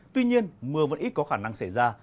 tuy nhiên mưa vẫn ít có khả năng xảy ra